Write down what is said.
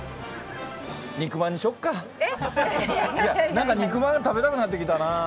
何か肉まん食べたくなってきたな。